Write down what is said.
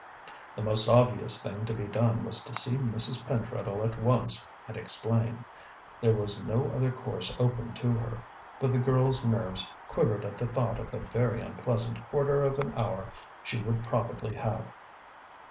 The most obvious thing to be done was to see Mrs. Pentreddle at once and explain. There was no other course open to her. But the girl's nerves quivered at the thought of the very unpleasant quarter of an hour she would probably have.